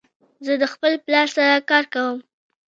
زه د خپل پلار سره کار کوم.